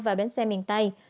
và bến xe miền tây